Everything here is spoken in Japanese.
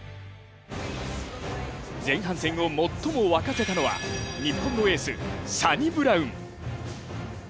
前半戦を最も沸かせたのは日本のエース、サニブラウン。